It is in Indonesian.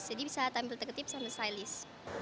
jadi bisa tampil tegetip sama stylish